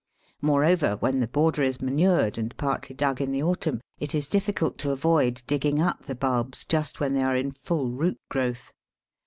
Moreover, when the border is manured and partly dug in the autumn, it is difficult to avoid digging up the bulbs just when they are in full root growth.